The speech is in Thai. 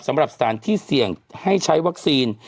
สำหรับสถานที่เสี่ยงให้ใช้วัคซีน